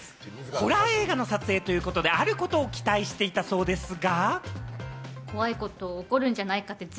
ホラー映画の撮影ということで、あることを期待していたそうですが。